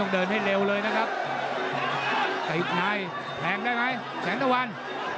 ติดไหนแหลงได้ไหมแสงตะวัน